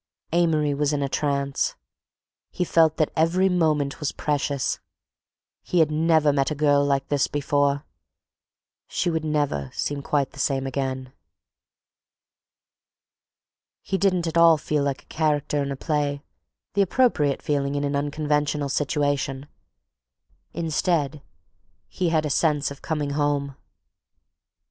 Amory was in a trance. He felt that every moment was precious. He had never met a girl like this before—she would never seem quite the same again. He didn't at all feel like a character in a play, the appropriate feeling in an unconventional situation—instead, he had a sense of coming home.